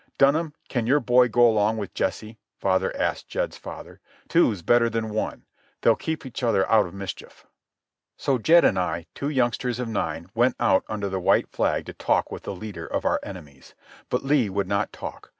"Dunham, can your boy go along with Jesse?" father asked Jed's father. "Two's better than one. They'll keep each other out of mischief." So Jed and I, two youngsters of nine, went out under the white flag to talk with the leader of our enemies. But Lee would not talk.